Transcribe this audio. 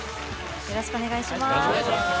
よろしくお願いします。